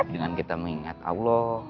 dengan kita mengingat allah